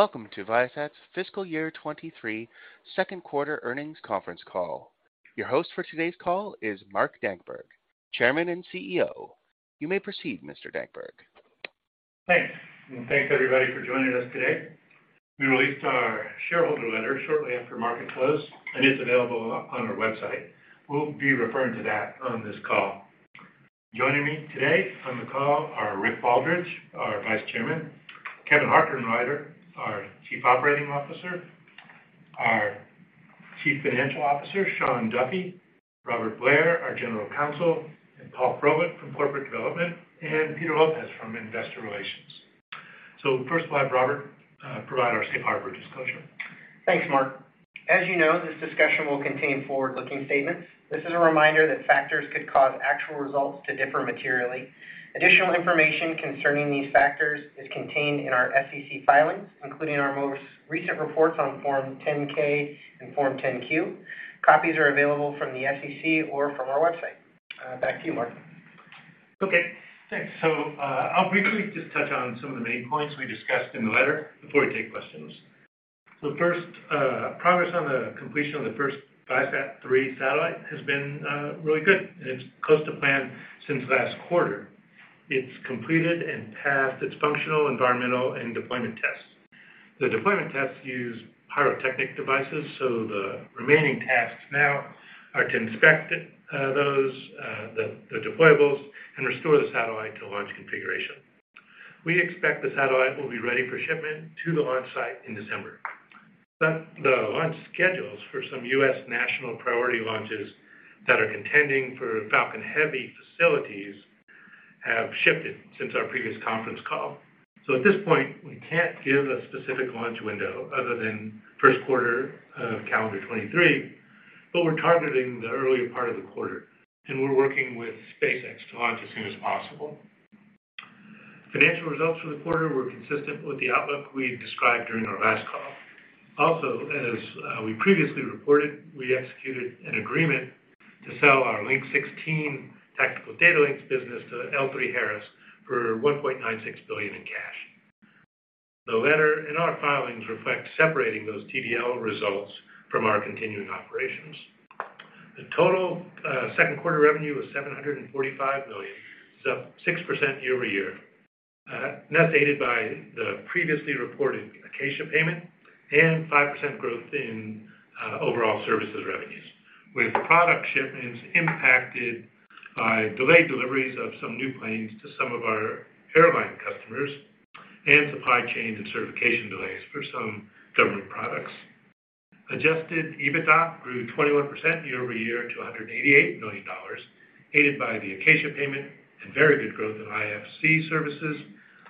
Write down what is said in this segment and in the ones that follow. Welcome to Viasat's fiscal year 2023 second quarter earnings conference call. Your host for today's call is Mark Dankberg, Chairman and CEO. You may proceed, Mr. Dankberg. Thanks. Thanks everybody for joining us today. We released our shareholder letter shortly after market close, and it's available on our website. We'll be referring to that on this call. Joining me today on the call are Rick Baldridge, our Vice Chairman, Kevin Harkenrider, our Chief Operating Officer, our Chief Financial Officer, Shawn Duffy, Robert Blair, our General Counsel, and Paul Froelich from Corporate Development, and Peter Lopez from Investor Relations. First we'll have Robert provide our safe harbor disclosure. Thanks, Mark. As you know, this discussion will contain forward-looking statements. This is a reminder that factors could cause actual results to differ materially. Additional information concerning these factors is contained in our SEC filings, including our most recent reports on Form 10-K and Form 10-Q. Copies are available from the SEC or from our website. Back to you, Mark. Okay, thanks. I'll briefly just touch on some of the main points we discussed in the letter before we take questions. First, progress on the completion of the first ViaSat-3 satellite has been really good, and it's close to plan since last quarter. It's completed and passed its functional, environmental, and deployment tests. The deployment tests use pyrotechnic devices, so the remaining tasks now are to inspect the deployables and restore the satellite to launch configuration. We expect the satellite will be ready for shipment to the launch site in December. The launch schedules for some U.S. national priority launches that are contending for Falcon Heavy facilities have shifted since our previous conference call. At this point, we can't give a specific launch window other than first quarter of calendar 2023, but we're targeting the earlier part of the quarter, and we're working with SpaceX to launch as soon as possible. Financial results for the quarter were consistent with the outlook we described during our last call. Also, as we previously reported, we executed an agreement to sell our Link 16 Tactical Data Links business to L3Harris for $1.96 billion in cash. The line items in our filings reflect separating those TDL results from our continuing operations. The total, second quarter revenue was $745 million, 6% year-over-year, net aided by the previously reported Acacia payment and 5% growth in, overall services revenues, with product shipments impacted by delayed deliveries of some new planes to some of our airline customers and supply chain and certification delays for some government products. Adjusted EBITDA grew 21% year-over-year to $188 million, aided by the Acacia payment and very good growth in IFC services,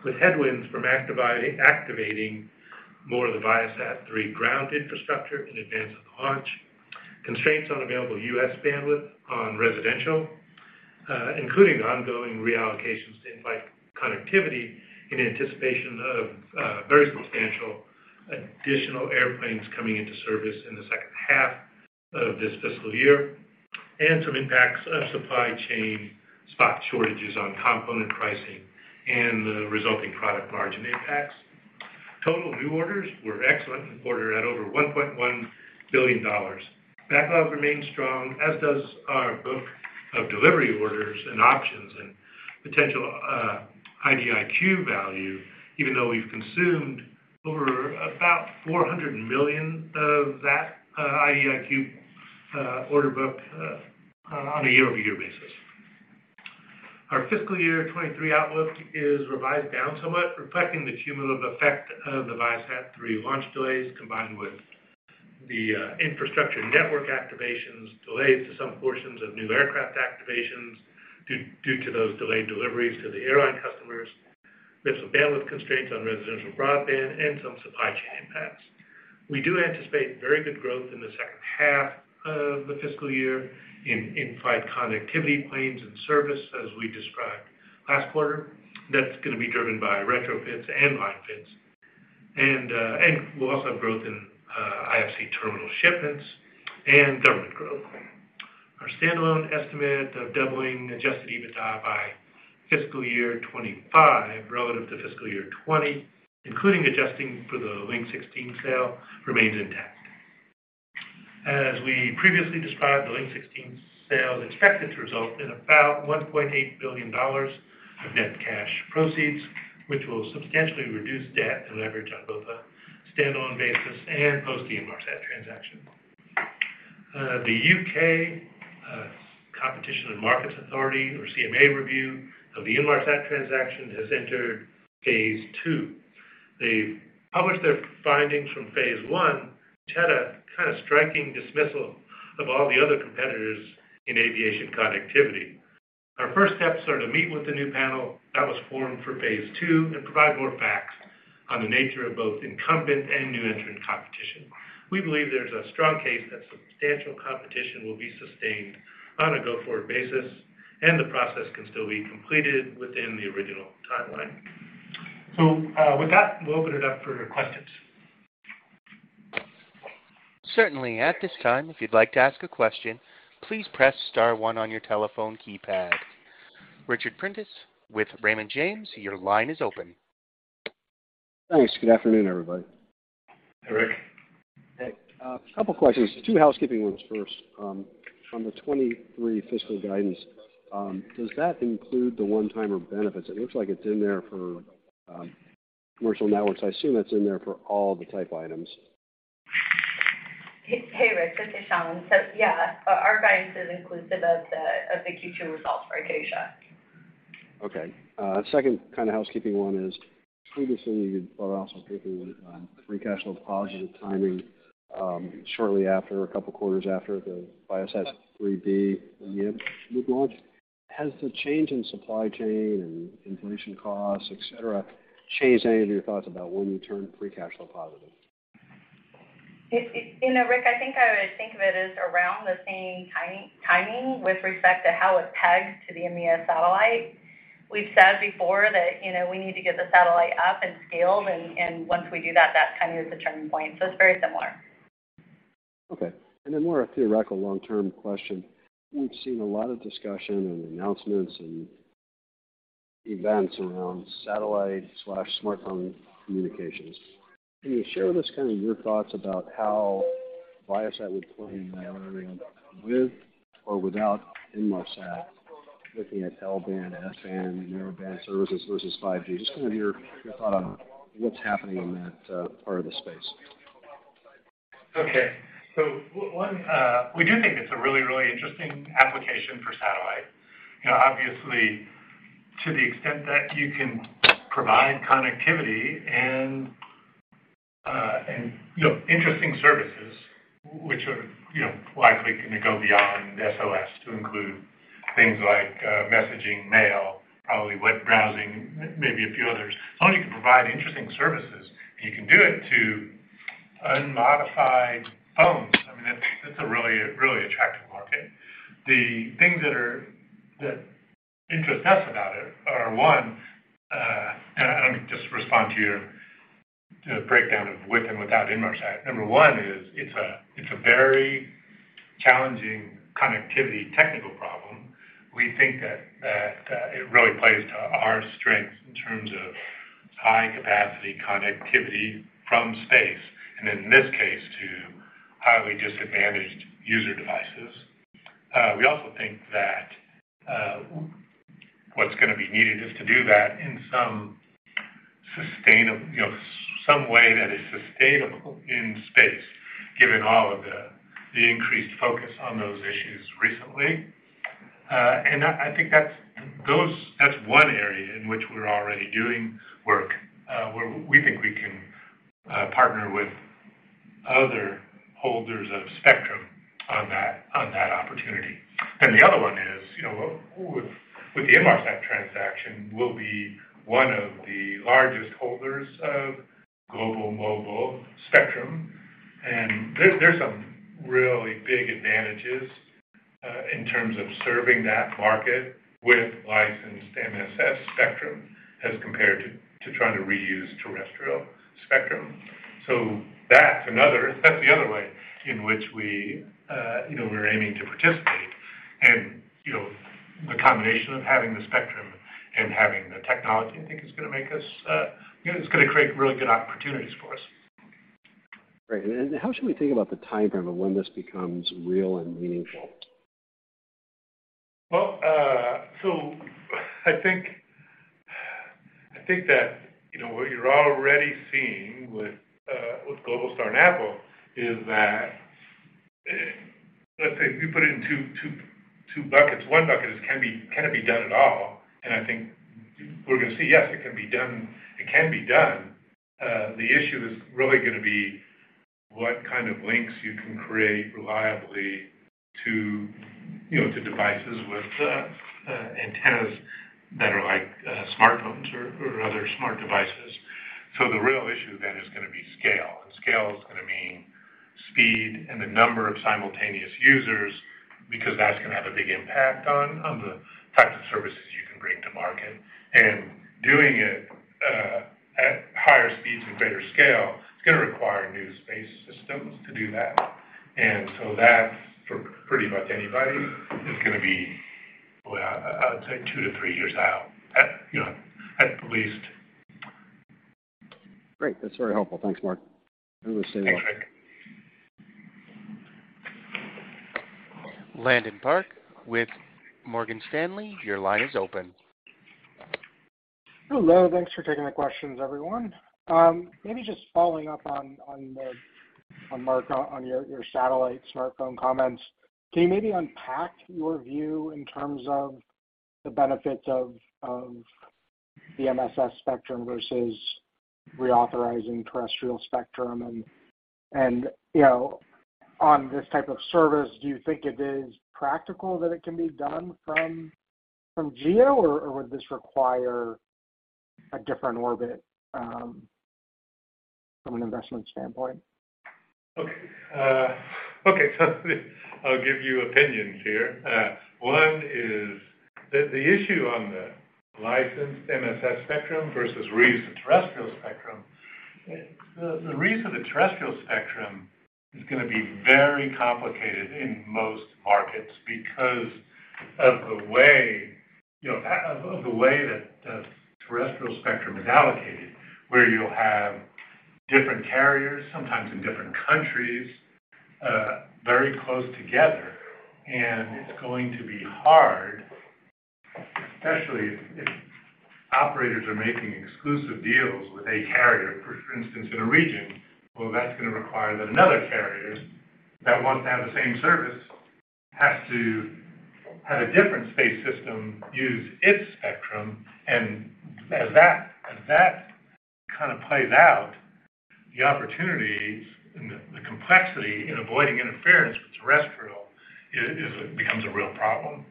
with headwinds from activating more of the ViaSat-3 ground infrastructure in advance of the launch, constraints on available U.S. bandwidth on residential, including the ongoing reallocations to in-flight connectivity in anticipation of very substantial additional airplanes coming into service in the second half of this fiscal year, and some impacts of supply chain spot shortages on component pricing and the resulting product margin impacts. Total new orders were excellent in the quarter at over $1.1 billion. Backlog remains strong, as does our book of delivery orders and options and potential IDIQ value, even though we've consumed over about $400 million of that IDIQ order book on a year-over-year basis. Our fiscal year 2023 outlook is revised down somewhat, reflecting the cumulative effect of the ViaSat-3 launch delays, combined with the infrastructure network activations delays to some portions of new aircraft activations due to those delayed deliveries to the airline customers. There's some bandwidth constraints on residential broadband and some supply chain impacts. We do anticipate very good growth in the second half of the fiscal year in flight connectivity planes and service, as we described last quarter. That's gonna be driven by retrofits and line fits and we'll also have growth in IFC terminal shipments and government growth. Our standalone estimate of doubling adjusted EBITDA by fiscal year 2025 relative to fiscal year 2020, including adjusting for the Link 16 sale, remains intact. As we previously described, the Link 16 sale is expected to result in about $1.8 billion of net cash proceeds, which will substantially reduce debt and leverage on both a standalone basis and post the Inmarsat transaction. The U.K. Competition and Markets Authority, or CMA review of the Inmarsat transaction has entered phase II. They've published their findings from phase I, which had a kind of striking dismissal of all the other competitors in aviation connectivity. Our first steps are to meet with the new panel that was formed for phase II and provide more facts on the nature of both incumbent and new entrant competition. We believe there's a strong case that substantial competition will be sustained on a go-forward basis, and the process can still be completed within the original timeline. With that, we'll open it up for questions. Certainly. At this time, if you'd like to ask a question, please press star one on your telephone keypad. Ric Prentiss with Raymond James, your line is open. Thanks. Good afternoon, everybody. Hi, Ric. Hey. A couple questions. Two housekeeping ones first. On the 2023 fiscal guidance, does that include the one-time benefits? It looks like it's in there for commercial networks. I assume it's in there for all the type items. Hey, Ric. This is Shawn. Yeah, our guidance is inclusive of the Q2 results for Acacia. Okay. Second kind of housekeeping one is previously you had been also thinking, free cash flow positive timing, shortly after, a couple quarters after the ViaSat-3 EMEA launch. Has the change in supply chain and inflation costs, et cetera, changed any of your thoughts about when you turn free cash flow positive? You know, Ric, I think I would think of it as around the same timing with respect to how it pegs to the ViaSat-3 EMEA. We've said before that, you know, we need to get the satellite up and scaled, and once we do that kind of is the turning point. It's very similar. Okay. A more theoretical long-term question. We've seen a lot of discussion and announcements and events around satellite/smartphone communications. Can you share with us kind of your thoughts about how Viasat would play in that arena with or without Inmarsat looking at L-band, S-band, and narrow band services versus 5G? Just kind of your thought on what's happening in that part of the space. Okay. One, we do think it's a really, really interesting application for satellite. You know, obviously, to the extent that you can provide connectivity and, you know, interesting services, which are, you know, likely gonna go beyond SOS to include things like, messaging, mail, probably web browsing, maybe a few others. As long as you can provide interesting services, and you can do it to unmodified phones, I mean, that's a really, really attractive market. The things that interest us about it are, one, and I don't need to just respond to your breakdown of with and without Inmarsat. Number one is it's a very challenging connectivity technical problem. We think that it really plays to our strengths in terms of high-capacity connectivity from space, and in this case, to highly disadvantaged user devices. We also think that what's gonna be needed is to do that in some sustain you know, some way that is sustainable in space, given all of the increased focus on those issues recently. I think that's one area in which we're already doing work, where we think we can partner with other holders of spectrum on that opportunity. The other one is, you know, with the Inmarsat transaction, we'll be one of the largest holders of global mobile spectrum. There, there's some really big advantages in terms of serving that market with licensed MSS spectrum as compared to trying to reuse terrestrial spectrum. That's the other way in which we, you know, we're aiming to participate. You know, the combination of having the spectrum and having the technology, I think, is gonna make us, you know, it's gonna create really good opportunities for us. Great. How should we think about the timeframe of when this becomes real and meaningful? I think that, you know, what you're already seeing with Globalstar and Apple is that. Let's say if you put it in two buckets. One bucket is, can it be done at all? I think we're gonna see, yes, it can be done. It can be done. The issue is really gonna be what kind of links you can create reliably to, you know, to devices with antennas that are like smartphones or other smart devices. The real issue then is gonna be scale. Scale is gonna mean speed and the number of simultaneous users because that's gonna have a big impact on the types of services you can bring to market. Doing it at higher speeds and greater scale, it's gonna require new space systems to do that. That, for pretty much anybody, is gonna be, boy, I would say two to three years out, you know, at least. Great. That's very helpful. Thanks, Mark. I really appreciate it. Thanks, Ric. Landon Park with Morgan Stanley, your line is open. Hello. Thanks for taking the questions, everyone. Maybe just following up on Mark on your satellite smartphone comments. Can you maybe unpack your view in terms of the benefits of the MSS spectrum versus reauthorizing terrestrial spectrum? You know, on this type of service, do you think it is practical that it can be done from GEO, or would this require a different orbit from an investment standpoint? Okay. I'll give you opinions here. One is the issue on the licensed MSS spectrum versus unlicensed terrestrial spectrum. The reason the terrestrial spectrum is gonna be very complicated in most markets because of the way that terrestrial spectrum is allocated, where you'll have different carriers, sometimes in different countries, very close together. It's going to be hard, especially if operators are making exclusive deals with a carrier, for instance, in a region. Well, that's gonna require that another carrier that wants to have the same service has to have a different space system use its spectrum. And as that kind of plays out, the opportunities and the complexity in avoiding interference with terrestrial, it becomes a real problem.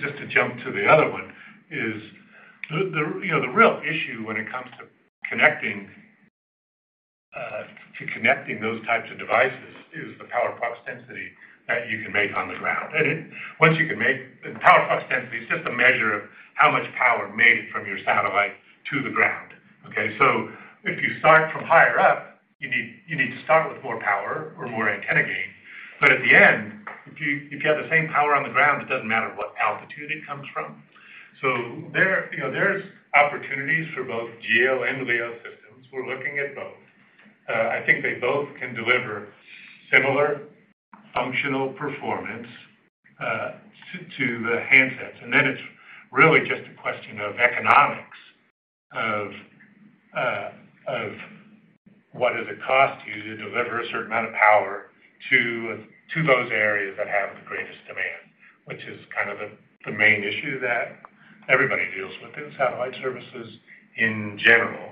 Just to jump to the other one, you know, the real issue when it comes to connecting those types of devices is the power flux density that you can make on the ground. The power flux density is just a measure of how much power made it from your satellite to the ground. Okay? If you start from higher up, you need to start with more power or more antenna gain. At the end, if you have the same power on the ground, it doesn't matter what altitude it comes from. There, you know, there's opportunities for both GEO and LEO systems. We're looking at both. I think they both can deliver similar functional performance to the handsets. Then it's really just a question of economics, of what does it cost you to deliver a certain amount of power to those areas that have the greatest demand, which is kind of the main issue that everybody deals with in satellite services in general.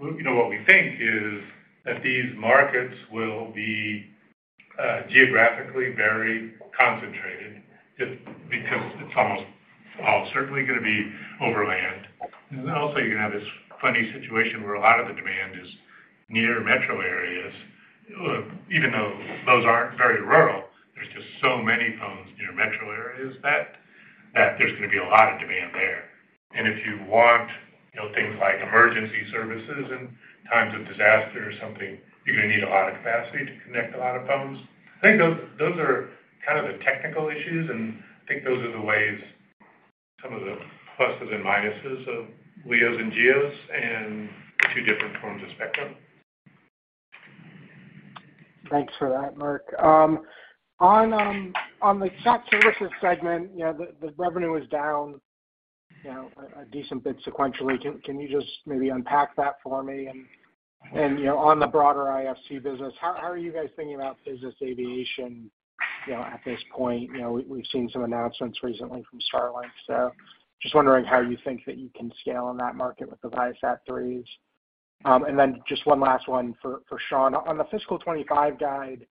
We, you know, what we think is that these markets will be geographically very concentrated just because it's almost all certainly gonna be over land. Also, you're gonna have this funny situation where a lot of the demand is near metro areas. Even though those aren't very rural, there's just so many phones near metro areas that there's gonna be a lot of demand there. If you want, you know, things like emergency services in times of disaster or something, you're gonna need a lot of capacity to connect a lot of phones. I think those are kind of the technical issues, and I think those are the ways some of the pluses and minuses of LEOs and GEOs and the two different forms of spectrum. Thanks for that, Mark. On the Sat Services segment, you know, the revenue is down, you know, a decent bit sequentially. Can you just maybe unpack that for me? You know, on the broader IFC business, how are you guys thinking about business aviation, you know, at this point? You know, we've seen some announcements recently from Starlink. So just wondering how you think that you can scale in that market with the ViaSat-3s. Then just one last one for Shawn. On the fiscal 2025 guide,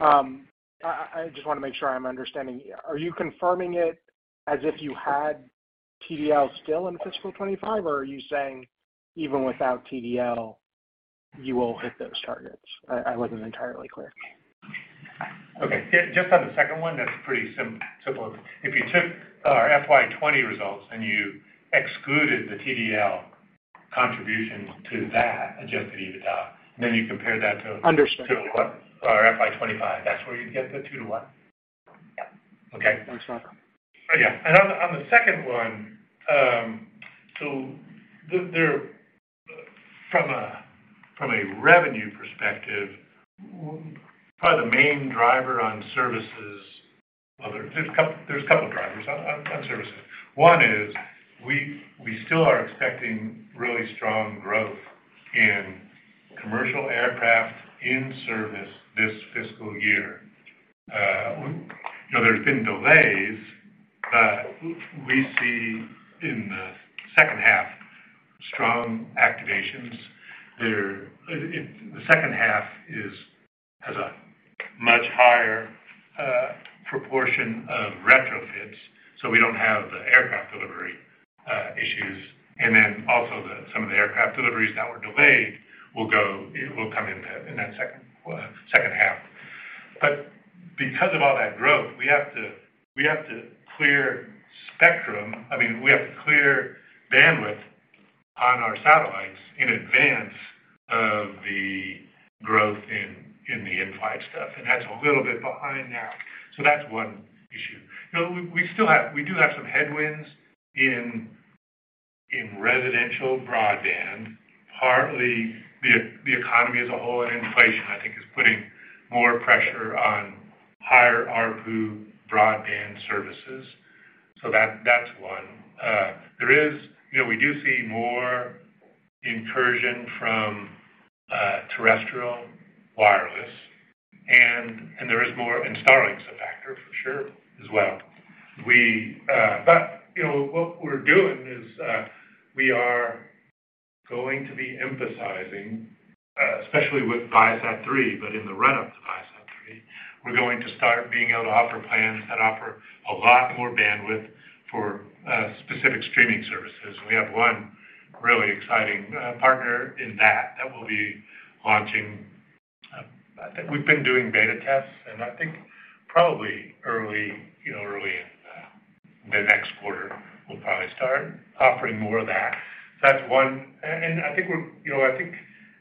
I just wanna make sure I'm understanding. Are you confirming it as if you had TDL still in fiscal 2025, or are you saying even without TDL you will hit those targets? I wasn't entirely clear. Yeah, just on the second one, that's pretty simple. If you took our FY 2020 results and you excluded the TDL contribution to that adjusted EBITDA, and then you compare that to- Understood. To our FY 2025, that's where you'd get the two to one. Yeah. Okay. Thanks, Shawn. Yeah. On the second one, from a revenue perspective, probably the main driver on services. Well, there's a couple drivers on services. One is we still are expecting really strong growth in commercial aircraft in service this fiscal year. You know, there's been delays, but we see in the second half strong activations. In the second half has a much higher proportion of retrofits, so we don't have the aircraft delivery issues. Then also some of the aircraft deliveries that were delayed will come in that second half. Because of all that growth, we have to clear spectrum. I mean, we have to clear bandwidth on our satellites in advance of the growth in the in-flight stuff, and that's a little bit behind now. That's one issue. You know, we still have some headwinds in residential broadband. Partly the economy as a whole and inflation, I think is putting more pressure on higher ARPU broadband services. That's one. You know, we do see more incursion from terrestrial wireless and there is more. Starlink's a factor for sure as well. You know, what we're doing is, we are going to be emphasizing, especially with ViaSat-3, but in the run-up to ViaSat-3. We're going to start being able to offer plans that offer a lot more bandwidth for specific streaming services. We have one really exciting partner in that we'll be launching. I think we've been doing beta tests, and I think probably early, you know, early in the next quarter, we'll probably start offering more of that. That's one. I think we're, you know, I think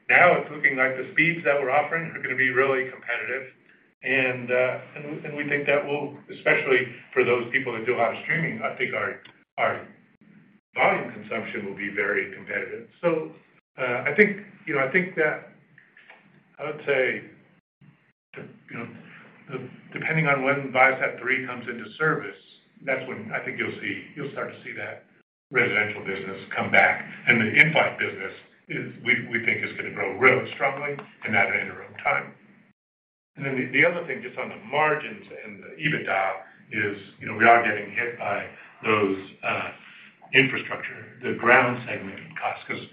now it's looking like the speeds that we're offering are gonna be really competitive. We think that will, especially for those people that do a lot of streaming, I think our volume consumption will be very competitive. I think that I would say the, you know, the depending on when ViaSat-3 comes into service, that's when I think you'll start to see that residential business come back. The in-flight business is, we think, is gonna grow really strongly in that interim time. Then the other thing just on the margins and the EBITDA is, you know, we are getting hit by those infrastructure, the ground segment costs. Because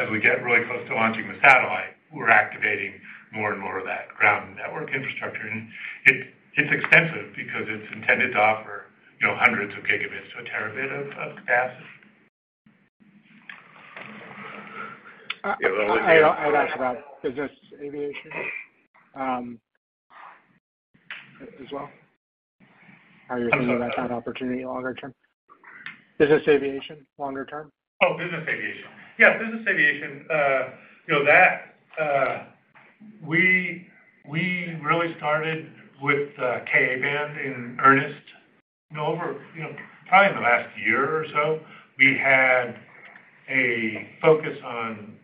as we get really close to launching the satellite, we're activating more and more of that ground network infrastructure. It's expensive because it's intended to offer, you know, hundreds of gigabits to a terabit of capacity. I'll ask about business aviation, as well. How you're thinking about that opportunity longer term. Business aviation, longer term. Oh, business aviation. Yeah, business aviation, you know, that we really started with Ka-band in earnest. You know, over, you know, probably in the last year or so, we had a focus on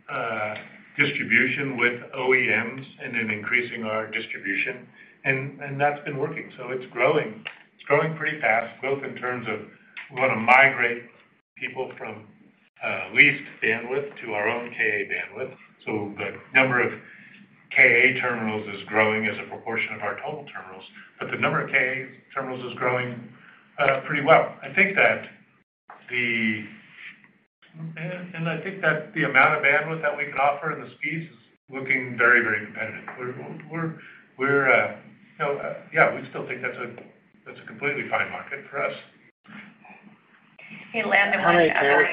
distribution with OEMs and then increasing our distribution and that's been working. It's growing. It's growing pretty fast, both in terms of we wanna migrate people from leased bandwidth to our own Ka bandwidth. The number of Ka terminals is growing as a proportion of our total terminals, but the number of Ka terminals is growing pretty well. I think that the amount of bandwidth that we can offer and the speeds is looking very, very competitive. We're you know. Yeah, we still think that's a completely fine market for us. Hey, Landon- How many tails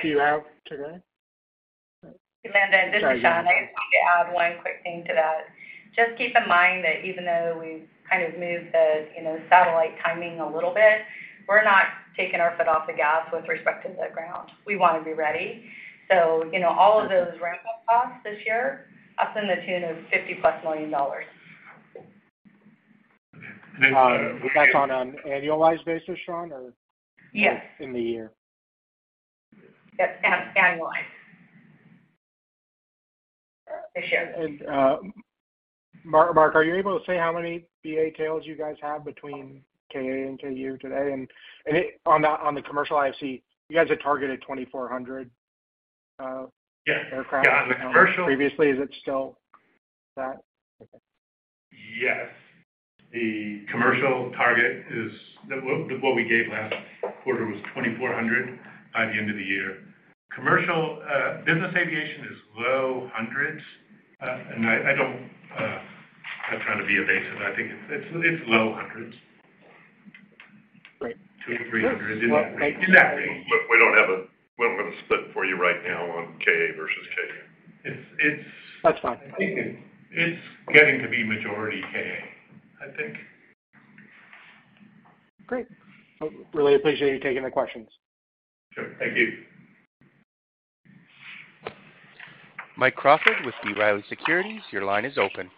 do you have today? Hey, Landon, this is Shawn. I just need to add one quick thing to that. Just keep in mind that even though we've kind of moved the, you know, satellite timing a little bit, we're not taking our foot off the gas with respect to the ground. We wanna be ready. You know, all of those ramp-up costs this year are to the tune of $50+ million. And, uh- Was that on an annualized basis, Shawn, or? Yes. In the year. That's annual. This year. Mark, are you able to say how many BA tails you guys have between Ka-band and Ku-band today? On the commercial IFC, you guys had targeted 2,400 aircraft previously. Yeah. On the commercial- Is it still that? Yes. The commercial target is what we gave last quarter, 2,400 by the end of the year. Commercial business aviation is low hundreds. Not trying to be evasive, I think it's low hundreds. Great. 200-300 in that range. Look, we don't have a split for you right now on Ka-band versus Ku-band. It's. That's fine. I think it's getting to be majority Ka, I think. Great. Really appreciate you taking the questions. Sure. Thank you. Mike Crawford with B. Riley Securities, your line is open.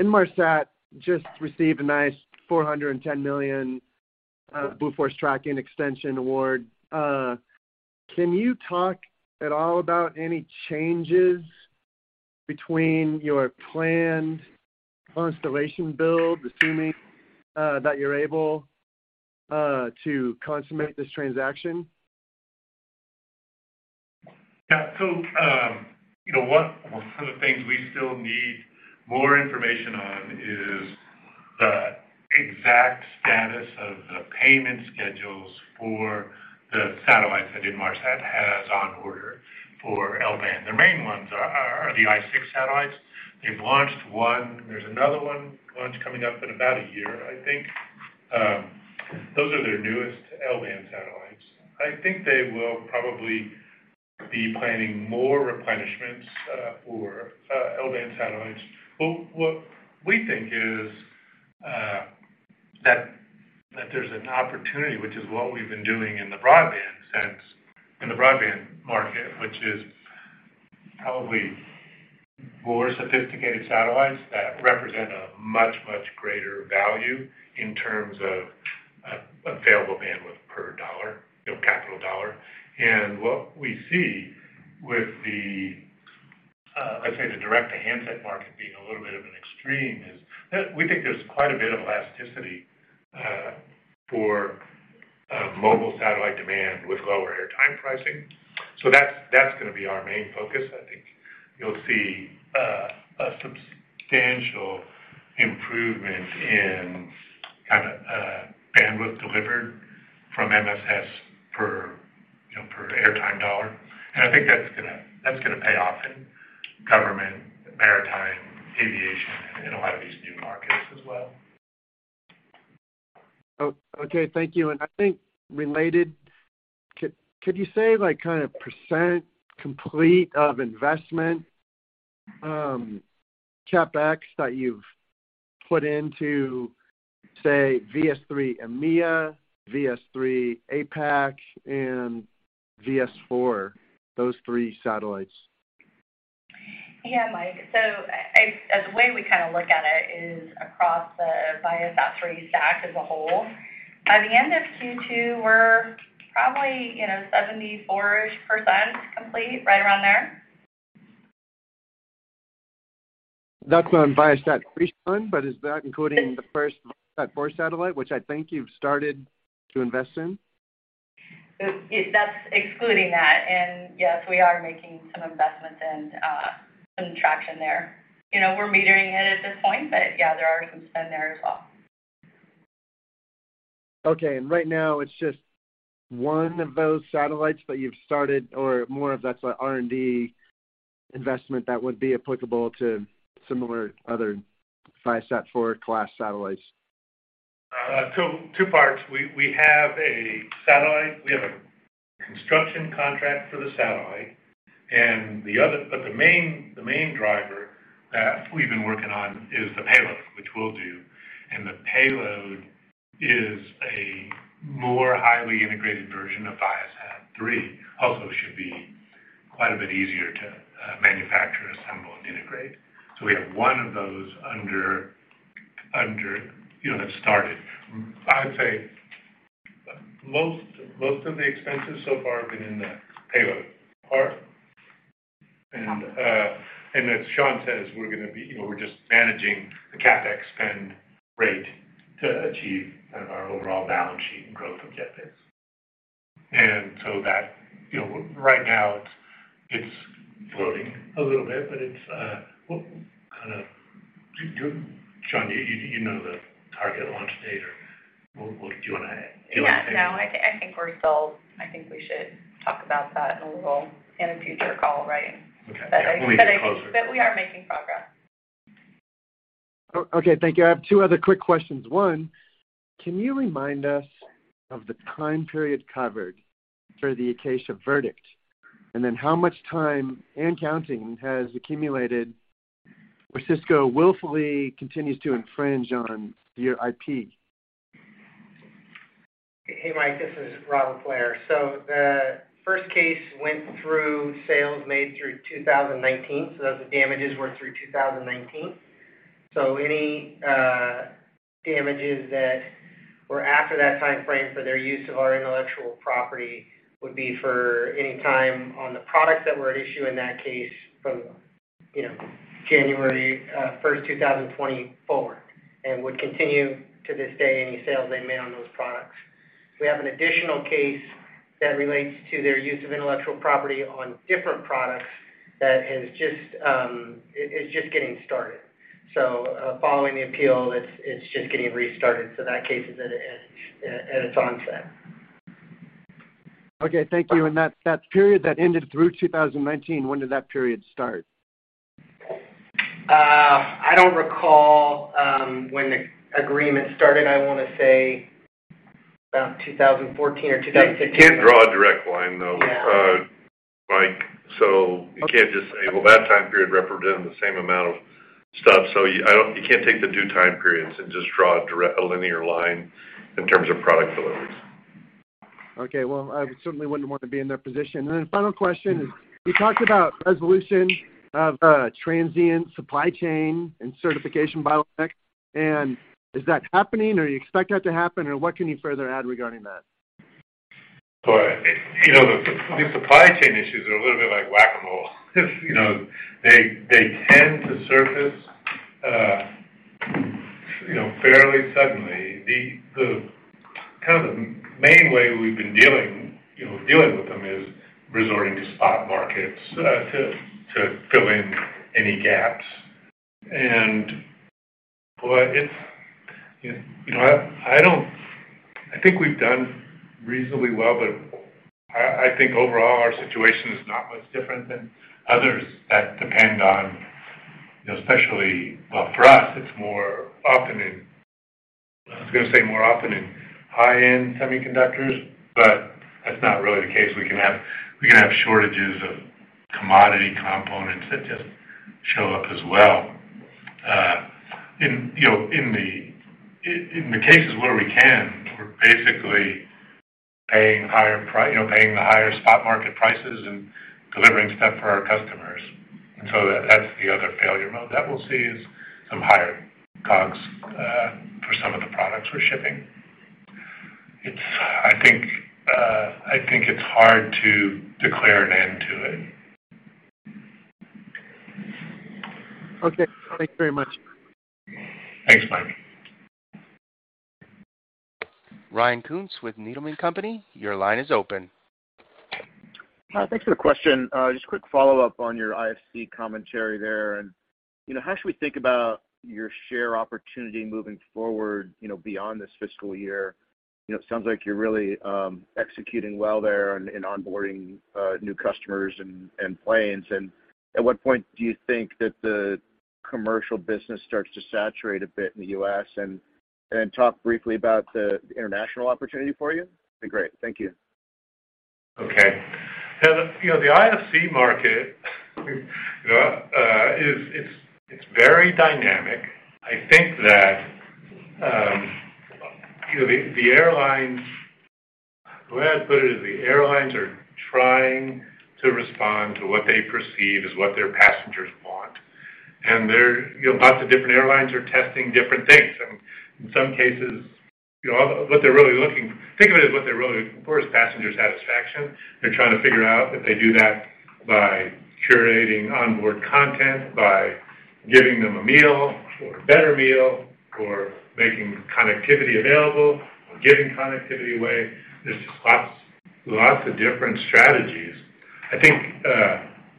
Inmarsat just received a nice $410 million Blue Force Tracking extension award. Can you talk at all about any changes between your planned constellation build, assuming that you're able to consummate this transaction? Yeah. You know, one of the things we still need more information on is the exact status of the payment schedules for the satellites that Inmarsat has on order for L-band. The main ones are the Inmarsat-6 satellites. They've launched one. There's another one launch coming up in about a year, I think. Those are their newest L-band satellites. I think they will probably be planning more replenishments for L-band satellites. What we think is that there's an opportunity, which is what we've been doing in the broadband sense, in the broadband market. Which is probably more sophisticated satellites that represent a much greater value in terms of available bandwidth per dollar, you know, capital dollar. What we see with the, let's say the direct-to-handset market being a little bit of an extreme is that we think there's quite a bit of elasticity for mobile satellite demand with lower airtime pricing. That's gonna be our main focus. I think you'll see a substantial improvement in kind of bandwidth delivered from MSS. I think that's gonna pay off in government, maritime, aviation, and in a lot of these new markets as well. Okay, thank you. I think related, could you say, like, kind of percent complete of investment, CapEx that you've put into, say, ViaSat-3 EMEA, ViaSat-3 APAC, and ViaSat-4, those three satellites? Yeah, Mike. As the way we kind of look at it is across the ViaSat-3 stack as a whole. By the end of Q2, we're probably, you know, 74%-ish complete, right around there. That's on ViaSat-3 spend, but is that including the first ViaSat-4 satellite, which I think you've started to invest in? That's excluding that. Yes, we are making some investments and some traction there. You know, we're metering it at this point, but yeah, there are some spend there as well. Okay. Right now it's just one of those satellites that you've started or more of that's a R&D investment that would be applicable to similar other Viasat four class satellites. Two parts. We have a satellite. We have a construction contract for the satellite. The main driver that we've been working on is the payload, which we'll do. The payload is a more highly integrated version of ViaSat-3. Also should be quite a bit easier to manufacture, assemble, and integrate. We have one of those under way, you know, that started. I'd say most of the expenses so far have been in the payload part. As Shawn says, you know, we're just managing the CapEx spend rate to achieve our overall balance sheet and growth objectives. That, you know, right now it's floating a little bit, but it's kind of. You, Shawn, you know the target launch date or what? What do you wanna add? I think we should talk about that a little in a future call, right? Okay. Yeah. We'll get it closer. I think that we are making progress. Okay, thank you. I have two other quick questions. One, can you remind us of the time period covered for the Acacia verdict? Then how much time and counting has accumulated where Cisco willfully continues to infringe on your IP? Hey, Mike, this is Robert Blair. The first case went through sales made through 2019, so those damages were through 2019. Any damages that were after that timeframe for their use of our intellectual property would be for any time on the products that were at issue in that case from, you know, January first, 2020 forward, and would continue to this day, any sales they made on those products. We have an additional case that relates to their use of intellectual property on different products that is just getting started. Following the appeal, it's just getting restarted. That case is at its onset. Okay. Thank you. That period that ended through 2019, when did that period start? I don't recall when the agreement started. I wanna say about 2014 or 2015. You can't draw a direct line, though, Mike. You can't just say, well, that time period represents the same amount of stuff. You can't take the two time periods and just draw a linear line in terms of product deliveries. Okay. Well, I certainly wouldn't want to be in their position. Final question is, you talked about resolution of transient supply chain and certification bottleneck. Is that happening or you expect that to happen or what can you further add regarding that? Supply chain issues are a little bit like whack-a-mole. They tend to surface fairly suddenly. The main way we've been dealing with them is resorting to spot markets to fill in any gaps. Boy, I think we've done reasonably well, but I think overall our situation is not much different than others that depend on, especially. Well, for us, it's more often in, I was gonna say more often in high-end semiconductors, but that's not really the case. We can have shortages of commodity components that just show up as well. In the cases where we can, we're basically paying higher—you know, paying the higher spot market prices and delivering stuff for our customers. That's the other failure mode that we'll see is some higher COGS for some of the products we're shipping. I think it's hard to declare an end to it. Okay. Thanks very much. Thanks, Mike. Ryan Koontz with Needham & Company, your line is open. Hi. Thanks for the question. Just a quick follow-up on your IFC commentary there and you know, how should we think about your share opportunity moving forward, you know, beyond this fiscal year? You know, it sounds like you're really executing well there and onboarding new customers and planes. At what point do you think that the commercial business starts to saturate a bit in the U.S.? Talk briefly about the international opportunity for you. Be great. Thank you. Okay. You know, the IFC market is very dynamic. I think that, you know, the airlines the way I'd put it is the airlines are trying to respond to what they perceive is what their passengers want. They're you know, lots of different airlines are testing different things. In some cases, you know, Think of it as what they're really looking for is passenger satisfaction. They're trying to figure out if they do that by curating onboard content, by giving them a meal or a better meal, or making connectivity available or giving connectivity away. There's just lots of different strategies. I think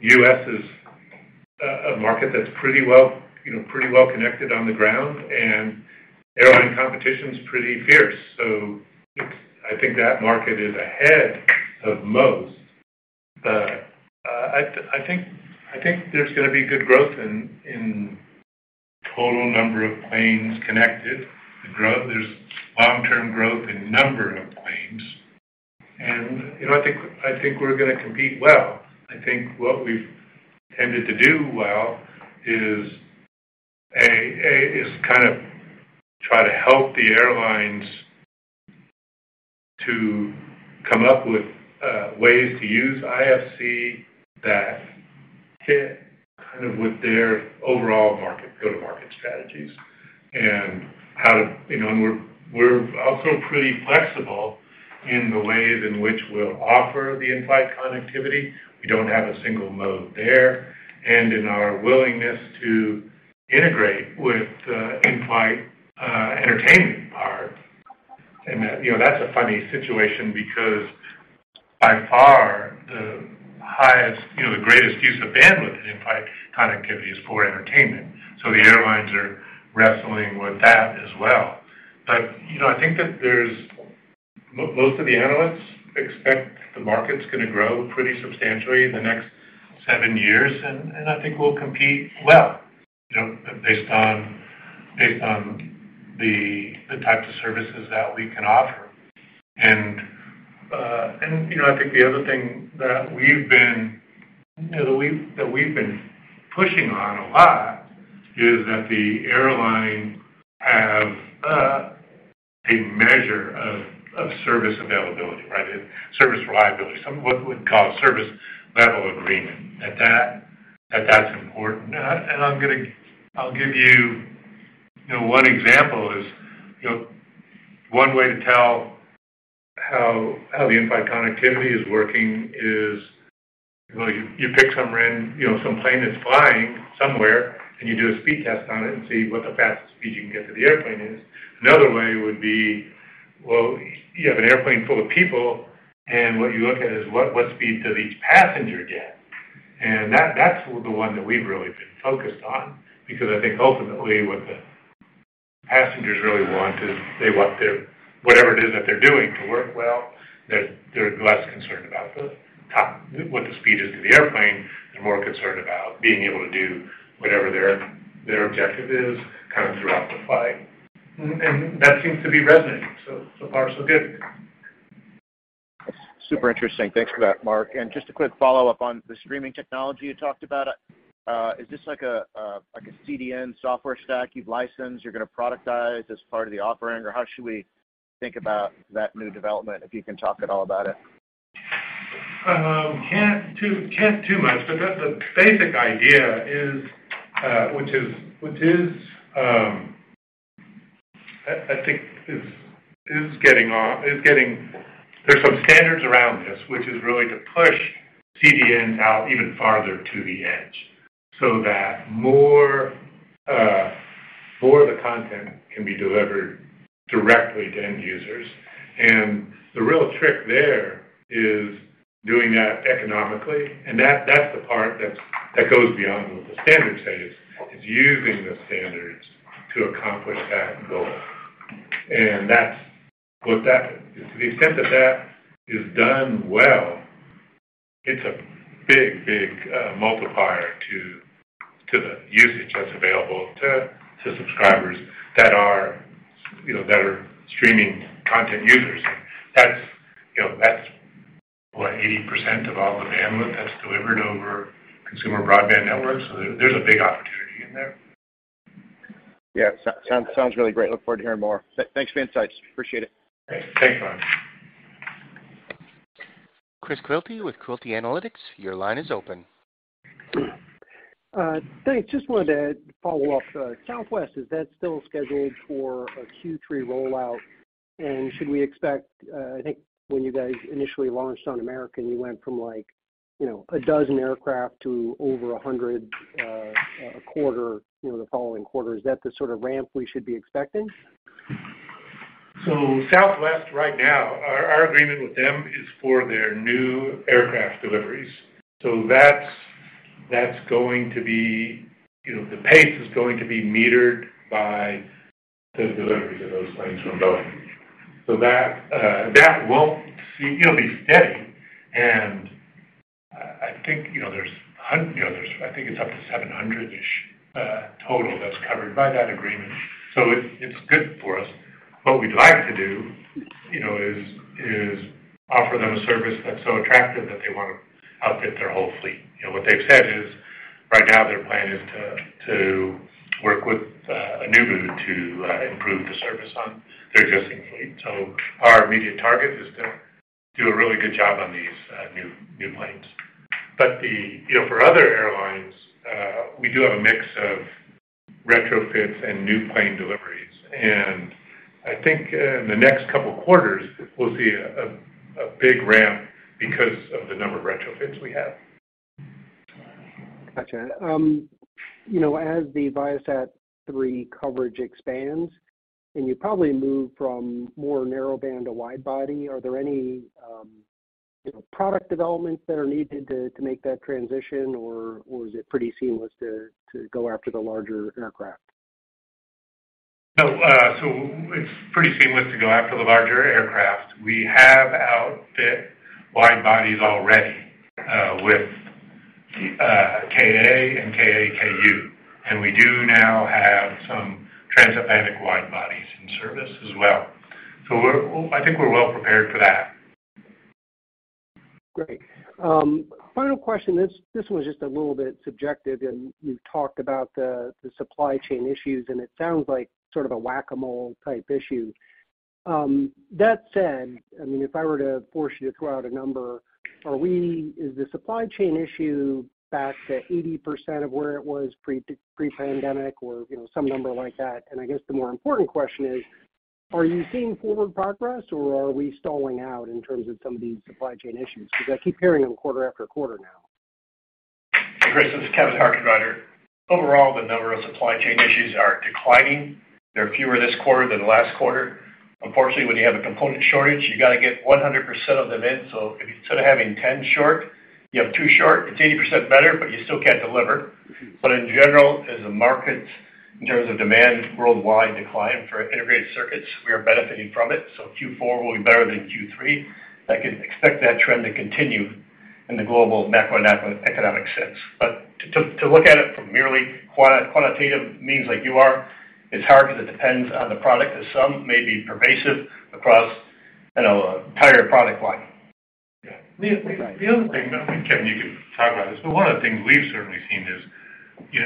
U.S. is a market that's pretty well, you know, pretty well connected on the ground, and airline competition is pretty fierce. It's I think that market is ahead of most. I think there's gonna be good growth in total number of planes connected. There's long-term growth in number of planes. You know, I think we're gonna compete well. I think what we've tended to do well is kind of try to help the airlines come up with ways to use IFC that fit kind of with their overall market, go-to-market strategies. You know, we're also pretty flexible in the ways in which we'll offer the in-flight connectivity. We don't have a single mode there. In our willingness to integrate with the in-flight entertainment part. You know, that's a funny situation because by far, the highest, you know, the greatest use of bandwidth in in-flight connectivity is for entertainment. The airlines are wrestling with that as well. You know, I think that most of the analysts expect the market's gonna grow pretty substantially in the next seven years, and I think we'll compete well, you know, based on the types of services that we can offer. You know, I think the other thing that we've been pushing on a lot is that the airlines have a measure of service availability, right? Service reliability, something we call service level agreement. That's important. I'm gonna give you one example. You know, one way to tell how the in-flight connectivity is working is, well, you pick some plane that's flying somewhere, and you do a speed test on it and see what the fastest speed you can get to the airplane is. Another way would be, well, you have an airplane full of people, and what you look at is what speed each passenger gets. That's the one that we've really been focused on because I think ultimately, what the passengers really want is they want their whatever it is that they're doing to work well. They're less concerned about the top what the speed is to the airplane. They're more concerned about being able to do whatever their objective is kind of throughout the flight. That seems to be resonating. So far, so good. Super interesting. Thanks for that, Mark. Just a quick follow-up on the streaming technology you talked about. Is this like a CDN software stack you've licensed, you're gonna productize as part of the offering? Or how should we think about that new development, if you can talk at all about it? Can't say too much. The basic idea is getting. There's some standards around this, which is really to push CDNs out even farther to the edge so that more of the content can be delivered directly to end users. The real trick there is doing that economically. That's the part that goes beyond what the standard says. It's using the standards to accomplish that goal. To the extent that that is done well, it's a big multiplier to the usage that's available to subscribers that are, you know, streaming content users. That's, you know, what 80% of all the bandwidth that's delivered over consumer broadband networks. There, there's a big opportunity in there. Yeah. Sounds really great. Look forward to hearing more. Thanks for the insights. Appreciate it. Great. Thanks, Ryan. Chris Quilty with Quilty Analytics, your line is open. Thanks. Just wanted to follow up. Southwest, is that still scheduled for a Q3 rollout? Should we expect, I think when you guys initially launched on American, you went from like, you know, a dozen aircraft to over a hundred, a quarter, you know, the following quarter. Is that the sort of ramp we should be expecting? Southwest right now, our agreement with them is for their new aircraft deliveries. That's going to be. You know, the pace is going to be metered by the deliveries of those planes from Boeing. That won't see-- it'll be steady, and I think, you know, there's-- I think it's up to 700-ish total that's covered by that agreement. It's good for us. What we'd like to do, you know, is offer them a service that's so attractive that they wanna outfit their whole fleet. You know, what they've said is, right now their plan is to work with Anuvu to improve the service on their existing fleet. Our immediate target is to do a really good job on these new planes. You know, for other airlines, we do have a mix of retrofits and new plane deliveries. I think in the next couple quarters, we'll see a big ramp because of the number of retrofits we have. Gotcha. You know, as the ViaSat-3 coverage expands, and you probably move from more narrowband to widebody, are there any, you know, product developments that are needed to make that transition, or is it pretty seamless to go after the larger aircraft? No. It's pretty seamless to go after the larger aircraft. We have outfitted wide bodies already with Ka and Ka/Ku, and we do now have some transatlantic wide bodies in service as well. I think we're well prepared for that. Great. Final question. This one is just a little bit subjective, and you've talked about the supply chain issues, and it sounds like sort of a whack-a-mole type issue. That said, I mean, if I were to force you to throw out a number, is the supply chain issue back to 80% of where it was pre-pandemic or, you know, some number like that? And I guess the more important question is, are you seeing forward progress, or are we stalling out in terms of some of these supply chain issues? Because I keep hearing them quarter after quarter now. Chris, this is Kevin Harkenrider. Overall, the number of supply chain issues are declining. There are fewer this quarter than the last quarter. Unfortunately, when you have a component shortage, you gotta get 100% of them in. If instead of having 10 short, you have two short, it's 80% better, but you still can't deliver. In general, as the market, in terms of demand worldwide decline for integrated circuits, we are benefiting from it. Q4 will be better than Q3. I can expect that trend to continue in the global macroeconomic sense. To look at it from merely quantitative means like you are, it's hard because it depends on the product, as some may be pervasive across, you know, entire product line. Right. The other thing, Kevin, you can talk about this, but one of the things we've certainly seen is, you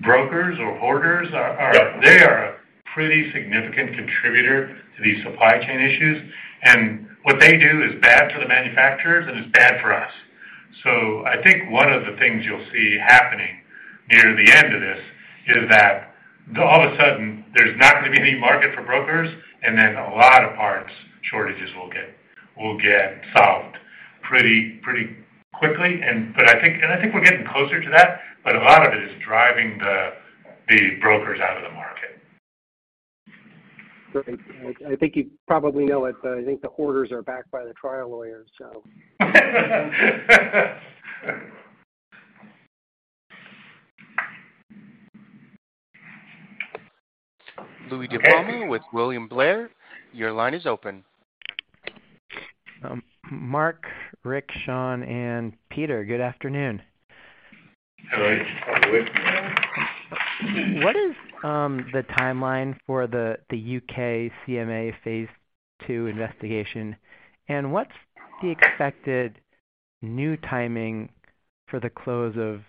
know, brokers or hoarders are. Yeah. They are a pretty significant contributor to these supply chain issues. What they do is bad for the manufacturers, and it's bad for us. I think one of the things you'll see happening near the end of this is that all of a sudden there's not gonna be any market for brokers, and then a lot of parts shortages will get solved pretty quickly. I think we're getting closer to that, but a lot of it is driving the brokers out of the market. Great. I think you probably know it, but I think the hoarders are backed by the trial lawyers, so. Louie DiPalma with William Blair, your line is open. Mark, Rick, Shawn, and Peter, good afternoon. Hi, Louie. What is the timeline for the U.K. CMA phase II investigation? What's the expected new timing for the close of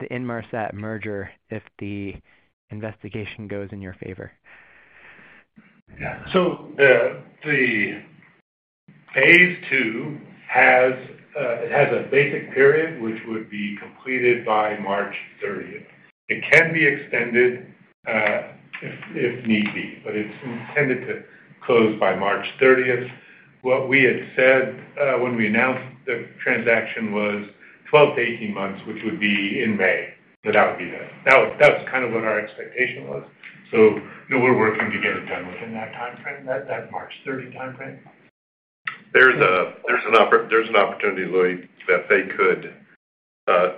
the Inmarsat merger if the investigation goes in your favor? Yeah. The phase II has it has a basic period, which would be completed by March 30th. It can be extended, if need be, but it's intended to close by March 30th. What we had said, when we announced the transaction was 12-18 months, which would be in May that would be done. That was. That's kind of what our expectation was. You know, we're working to get it done within that timeframe, that March 30 timeframe. There's an opportunity, Louie, that they could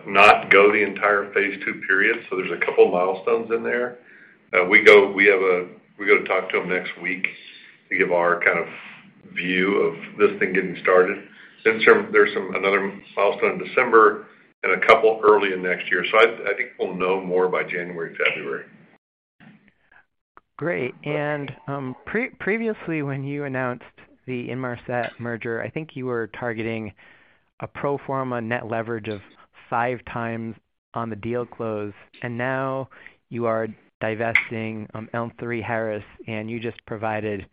not go the entire phase II period. There's a couple milestones in there. We go to talk to them next week to give our kind of view of this thing getting started. There's another milestone in December and a couple early in next year. I think we'll know more by January, February. Great. Previously, when you announced the Inmarsat merger, I think you were targeting a pro forma net leverage of 5x on the deal close. Now you are divesting L3Harris, and you just provided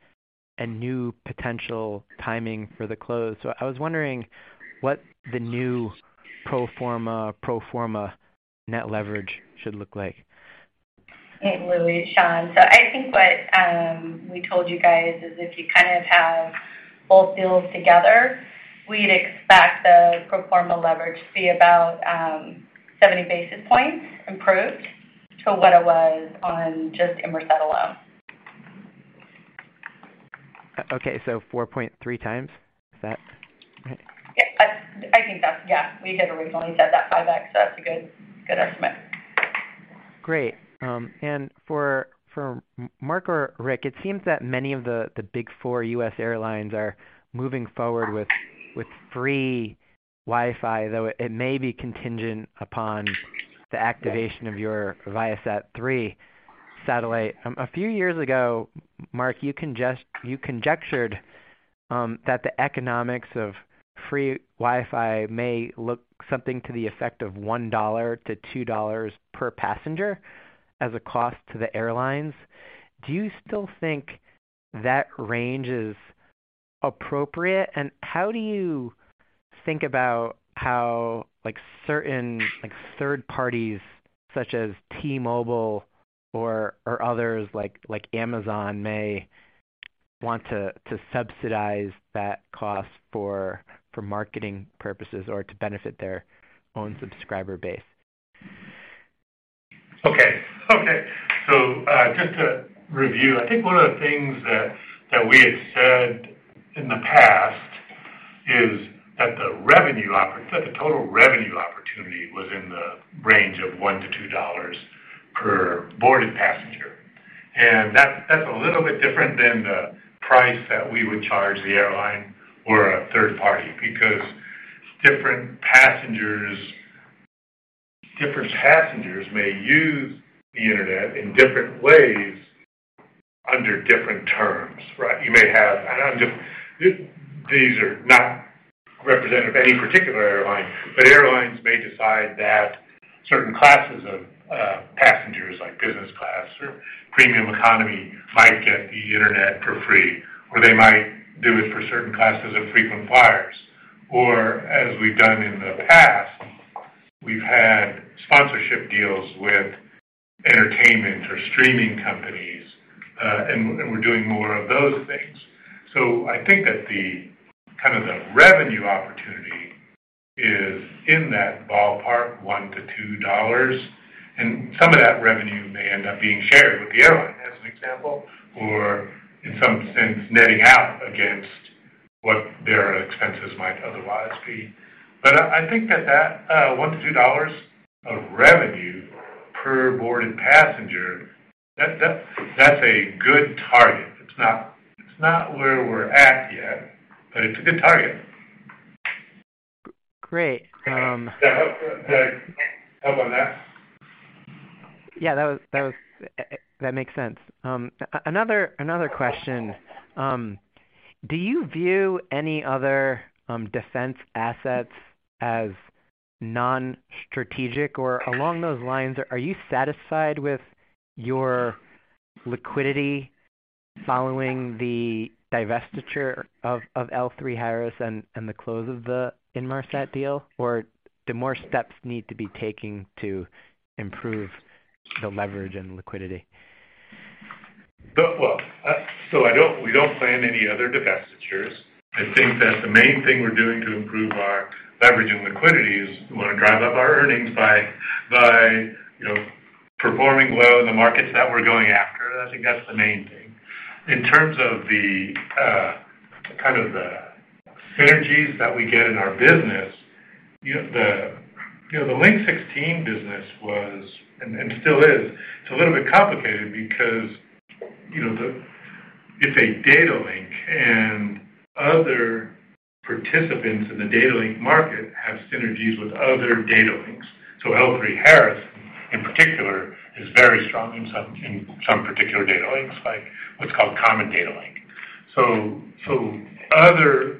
a new potential timing for the close. I was wondering what the new pro forma net leverage should look like. Hey, Louie, Shawn. I think what we told you guys is if you kind of have Both deals together, we'd expect the pro forma leverage to be about 70 basis points improved to what it was on just Inmarsat alone. Okay. 4.3x? Is that right? I think that's. Yeah. We had originally said that, 5x. So that's a good estimate. Great. For Mark or Rick, it seems that many of the big four U.S. airlines are moving forward with free Wi-Fi, though it may be contingent upon the activation of your ViaSat-3 satellite. A few years ago, Mark, you conjectured that the economics of free Wi-Fi may look something to the effect of $1-$2 per passenger as a cost to the airlines. Do you still think that range is appropriate? How do you think about how, like, certain, like, third parties, such as T-Mobile or others like Amazon may want to subsidize that cost for marketing purposes or to benefit their own subscriber base? Just to review, I think one of the things that we had said in the past is that the total revenue opportunity was in the range of $1-$2 per boarded passenger. That's a little bit different than the price that we would charge the airline or a third party, because different passengers may use the internet in different ways under different terms, right? These are not representative of any particular airline, but airlines may decide that certain classes of passengers, like business class or premium economy, might get the internet for free, or they might do it for certain classes of frequent flyers. As we've done in the past, we've had sponsorship deals with entertainment or streaming companies, and we're doing more of those things. I think that the kind of the revenue opportunity is in that ballpark, $1-$2. Some of that revenue may end up being shared with the airline, as an example, or in some sense netting out against what their expenses might otherwise be. I think that $1-$2 of revenue per boarded passenger, that's a good target. It's not where we're at yet, but it's a good target. Great. Does that help? Did I help on that? Yeah, that was. That makes sense. Another question. Do you view any other defense assets as non-strategic? Along those lines, are you satisfied with your liquidity following the divestiture of L3Harris and the close of the Inmarsat deal, or do more steps need to be taken to improve the leverage and liquidity? We don't plan any other divestitures. I think that the main thing we're doing to improve our leverage and liquidity is we wanna drive up our earnings by you know performing well in the markets that we're going after. I think that's the main thing. In terms of the synergies that we get in our business, you know the Link 16 business was and still is a little bit complicated because it's a data link and other participants in the data link market have synergies with other data links. L3Harris in particular is very strong in some particular data links like what's called Common Data Link. Other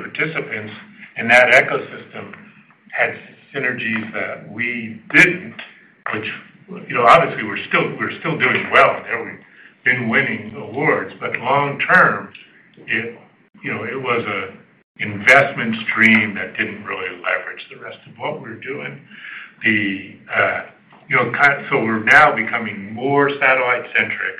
participants in that ecosystem had synergies that we didn't, which, you know, obviously we're still doing well and we've been winning awards. Long term, it, you know, it was a investment stream that didn't really leverage the rest of what we're doing. We're now becoming more satellite centric.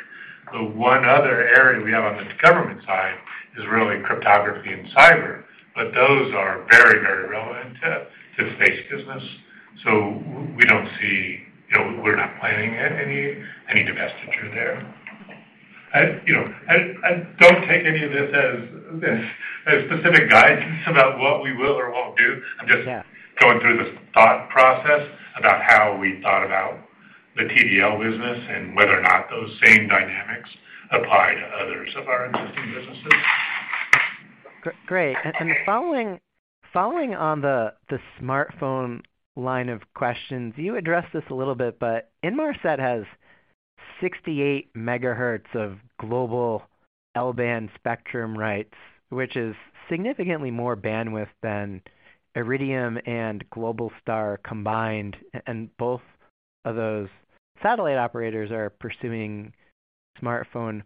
The one other area we have on the government side is really cryptography and cyber, but those are very, very relevant to the space business. We don't see. You know, we're not planning any divestiture there. I, you know, I don't take any of this as specific guidance about what we will or won't do. Yeah. I'm just going through this thought process about how we thought about the TDL business and whether or not those same dynamics apply to others of our existing businesses. Great. Okay. Following on the smartphone line of questions, you addressed this a little bit, but Inmarsat has 68 MHz of global L-band spectrum rights, which is significantly more bandwidth than Iridium and Globalstar combined, and both of those satellite operators are pursuing smartphone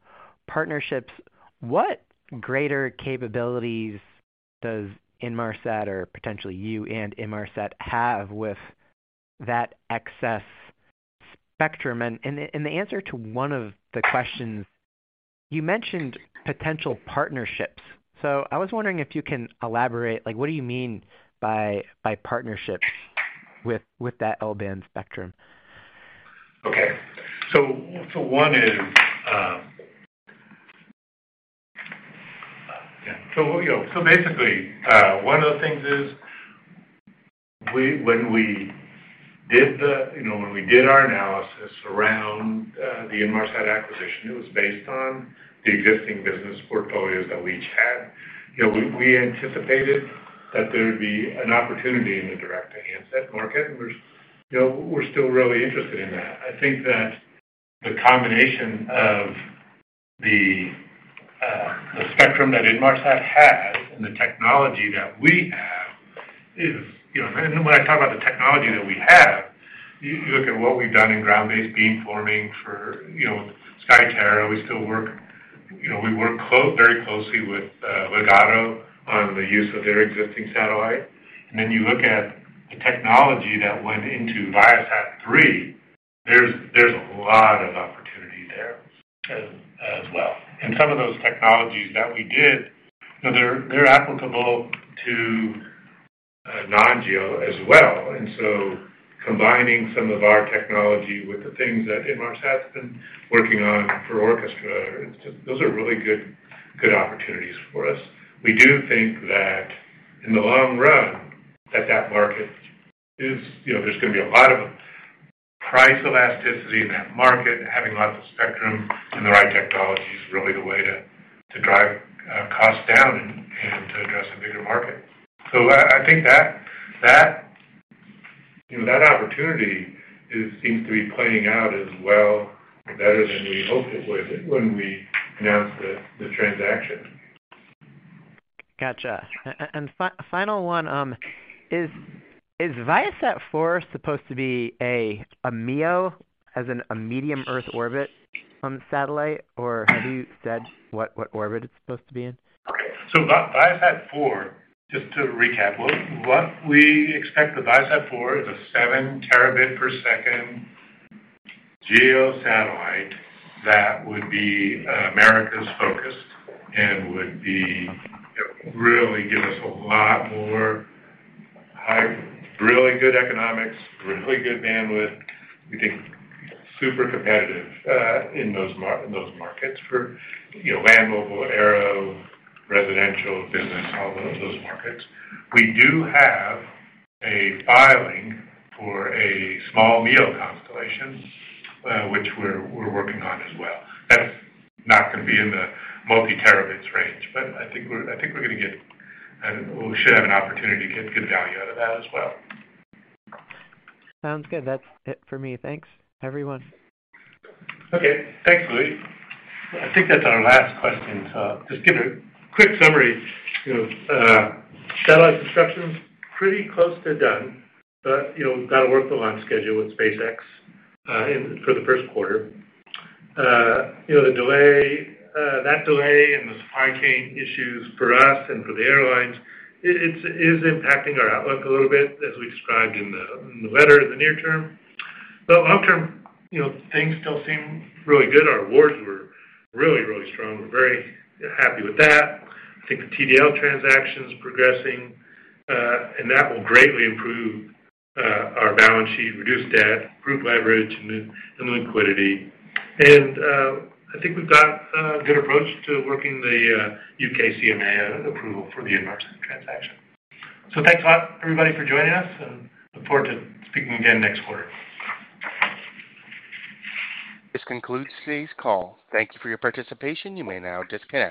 partnerships. What greater capabilities does Inmarsat or potentially you and Inmarsat have with that excess spectrum? In the answer to one of the questions, you mentioned potential partnerships. I was wondering if you can elaborate, like what do you mean by partnerships with that L-band spectrum? Okay. You know, basically, one of the things is when we did our analysis around the Inmarsat acquisition, it was based on the existing business portfolios that we each had. You know, we anticipated that there would be an opportunity in the direct-to-handset market, and we're still really interested in that. I think that the combination of the spectrum that Inmarsat has and the technology that we have is. When I talk about the technology that we have, you look at what we've done in ground-based beam forming for, you know, SkyTerra. We still work, you know, very closely with Ligado on the use of their existing satellite. Then you look at the technology that went into ViaSat-3, there's a lot of opportunity there as well. Some of those technologies that we did, you know, they're applicable to non-GEO as well. Combining some of our technology with the things that Inmarsat's been working on for ORCHESTRA, those are really good opportunities for us. We do think that in the long run, that market is, you know, there's gonna be a lot of price elasticity in that market, having lots of spectrum and the right technology is really the way to drive costs down and to address a bigger market. I think that, you know, that opportunity seems to be playing out as well or better than we hoped it would when we announced the transaction. Gotcha. Final one is ViaSat-4 supposed to be a MEO, as in a medium Earth orbit, satellite? Or have you said what orbit it's supposed to be in? ViaSat-4, just to recap, what we expect with ViaSat-4 is a 7 Tbps GEO satellite that would be Americas-focused and would be, you know, really give us a lot more really good economics, really good bandwidth. We think super competitive in those markets for, you know, land mobile, aero, residential, business, all of those markets. We do have a filing for a small MEO constellation, which we're working on as well. That's not gonna be in the multi-terabits range, but I think we're gonna get, and we should have an opportunity to get good value out of that as well. Sounds good. That's it for me. Thanks, everyone. Okay. Thanks, Louie. I think that's our last question. Just give a quick summary. You know, satellite construction's pretty close to done, but, you know, we've got to work the launch schedule with SpaceX for the first quarter. You know, the delay, that delay and the hurricane issues for us and for the airlines, it's, it is impacting our outlook a little bit, as we described in the, in the letter in the near term. The long term, you know, things still seem really good. Our awards were really, really strong. We're very happy with that. I think the TDL transaction is progressing, and that will greatly improve our balance sheet, reduce debt, improve leverage and liquidity. I think we've got a good approach to working the U.K. CMA approval for the Inmarsat transaction. Thanks a lot, everybody, for joining us, and look forward to speaking again next quarter. This concludes today's call. Thank you for your participation. You may now disconnect.